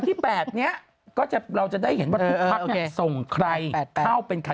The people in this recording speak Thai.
เราก็จะเห็นแล้วว่า